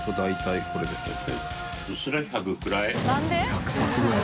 １００冊ぐらい。